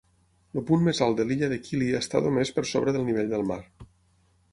El punt més alt de l"Illa de Kili està només per sobre del nivell del mar.